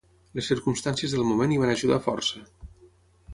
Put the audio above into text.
Les circumstàncies del moment hi van ajudar força.